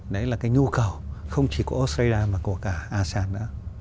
đấy là cái nhu cầu không chỉ của australia mà của cả asean nữa